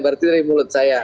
berarti dari mulut saya